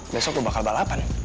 besok lu bakal balapan